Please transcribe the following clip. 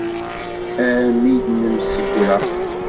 Armi id-nemsegra.